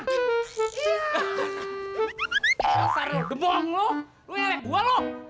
kasar lu debong lu lu ngelek gua lu